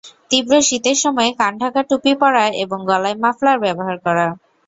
তীব্র শীতের সময় কানঢাকা টুপি পরা এবং গলায় মাফলার ব্যবহার করা।